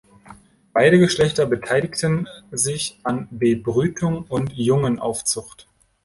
Beide Geschlechter beteiligten sich an Bebrütung und Jungenaufzucht.